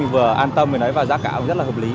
vừa an tâm và giá cả cũng rất là hợp lý